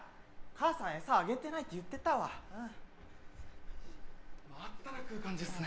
母さん「餌あげてない」って言ってたわあったら食う感じっすね